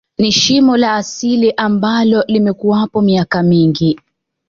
Ni shimo la asili ambalo limekuwapo miaka mingi